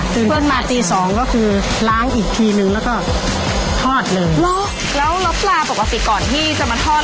เพื่อนมาตีสองก็คือล้างอีกทีนึงแล้วก็ทอดเลยแล้วแล้วปลาปกติก่อนที่จะมาทอด